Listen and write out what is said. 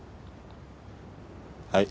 はい。